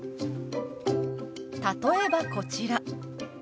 例えばこちら。